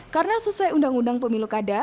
karena sesuai undang undang pemilu kada